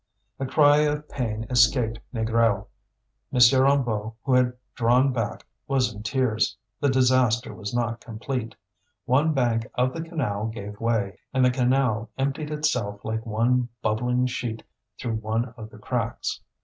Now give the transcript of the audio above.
A cry of pain escaped Négrel. M. Hennebeau, who had drawn back, was in tears. The disaster was not complete; one bank of the canal gave way, and the canal emptied itself like one bubbling sheet through one of the cracks.